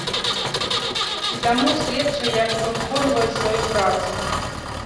І таму следчыя як бы выконваюць сваю працу.